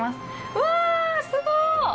うわすご！